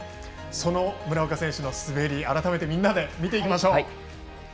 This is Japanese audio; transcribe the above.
その村岡選手の滑り改めてみんなで見ていきましょう。